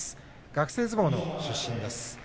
学生相撲の出身です。